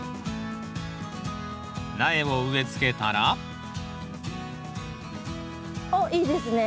苗を植えつけたらおっいいですね。